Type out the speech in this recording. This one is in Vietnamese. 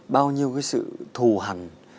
bao nhiêu cái sự thù hẳn